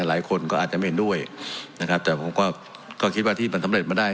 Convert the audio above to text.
หลายคนก็อาจจะไม่เห็นด้วยนะครับแต่ผมก็คิดว่าที่มันสำเร็จมาได้